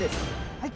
はい。